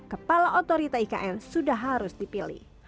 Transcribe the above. kepala otorita ikn sudah harus dipilih